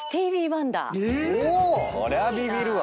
これはビビるわ。